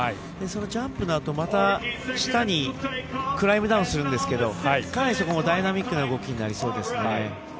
ジャンプのあと、また下にクライムダウンするんですけどかなりそこもダイナミックな動きになりそうですね。